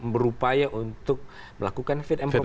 berupaya untuk melakukan fit and proper